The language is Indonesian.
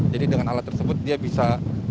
jadi dengan alat tersebut dia bisa